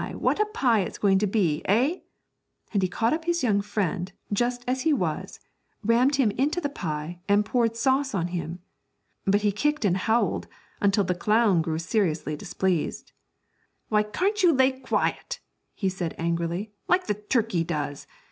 what a pie it's going to be, eh?' And he caught up his young friend, just as he was, rammed him into the pie, and poured sauce on him. But he kicked and howled until the clown grew seriously displeased. 'Why carn't you lay quiet,' he said angrily, 'like the turkey does?